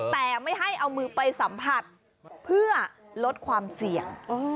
แต่ไม่ให้เอามือไปสัมผัสเพื่อลดความเสี่ยง